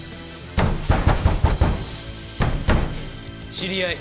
知り合い。